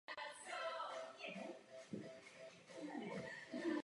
Můžete se zasadit o to, abychom se pohybovali správným směrem.